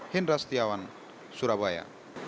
hindra setiawan surabaya